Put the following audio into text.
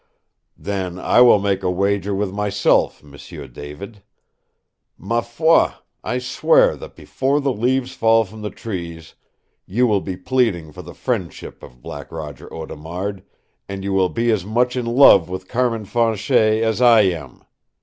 "Then I will make a wager with myself, M'sieu David. MA FOI, I swear that before the leaves fall from the trees, you will be pleading for the friendship of Black Roger Audemard, and you will be as much in love with Carmin Fanchet as I am!